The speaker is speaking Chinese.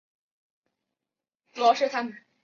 开放打包约定文档。